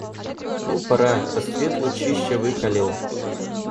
Ну, пора: рассвет лучища выкалил.